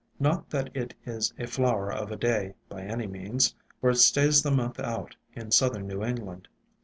Not that it is a flower of a day, by any means, for it stays the month out in southern New Eng land.